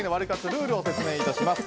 ルールを説明いたします。